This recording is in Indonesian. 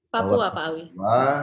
papua pak awi